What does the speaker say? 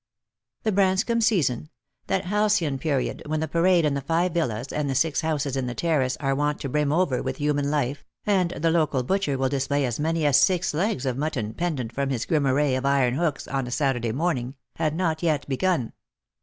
The Branscomb season — that halcyon period when the Parade and the five villas and the six houses in the terrace are wont to brim over with human life, and the local butcher will display as many as six legs of mutton pendent from hia grim array of iron hooks o na Saturday morning — had not yet begun.